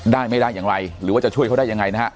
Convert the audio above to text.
ได้ไม่ได้อย่างไรหรือว่าจะช่วยเขาได้ยังไงนะฮะ